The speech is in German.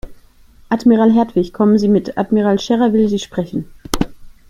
Admiral Hertwig, kommen Sie mit, Admiral Scherer will Sie sprechen.